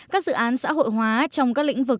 các dự án xã hội hóa trong các lĩnh vực